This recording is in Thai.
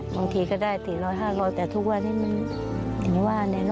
บางทีก็ได้สี่ร้อยห้าร้อยแต่ทุกวันนี้มันอย่างว่า